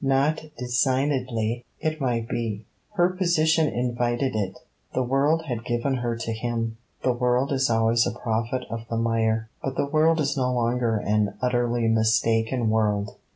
Not designedly, it might be: her position invited it. 'The world had given her to him.' The world is always a prophet of the mire; but the world is no longer an utterly mistaken world.